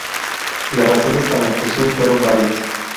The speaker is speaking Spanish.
Las razones para la fusión fueron varias.